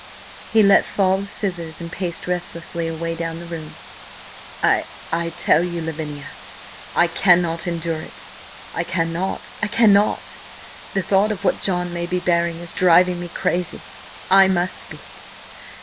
He let fall the scissors and paced restlessly away down the room. "I–I tell you, Lavinia, I cannot endure it! I cannot! I cannot! The thought of what John may be bearing is driving me crazy! I must speak!"